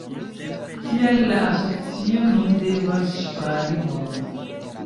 Tial la asocio nun devas ŝpari monon.